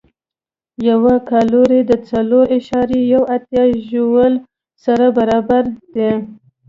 یوه کالوري د څلور اعشاریه یو اتیا ژول سره برابره ده.